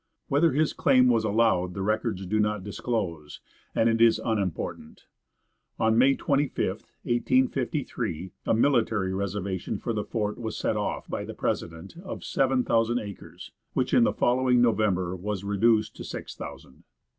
Whether his claim was allowed the records do not disclose, and it is unimportant. On May 25, 1853, a military reservation for the fort was set off, by the president, of seven thousand acres, which in the following November was reduced to six thousand.